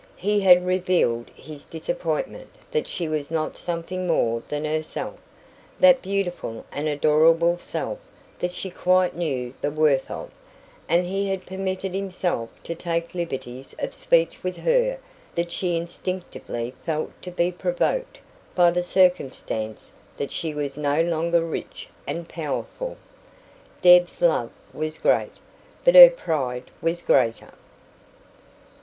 He had revealed his disappointment that she was not something more than herself that beautiful and adorable self that she quite knew the worth of and he had permitted himself to take liberties of speech with her that she instinctively felt to be provoked by the circumstance that she was no longer rich and powerful. Deb's love was great, but her pride was greater.